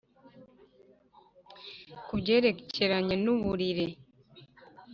Ku byerekeranye nu burere